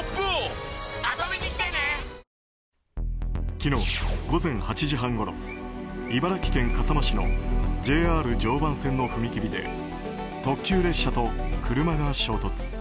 昨日、午前８時半ごろ茨城県笠間市のＪＲ常磐線の踏切で特急列車と車が衝突。